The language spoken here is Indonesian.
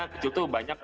kecil tuh banyak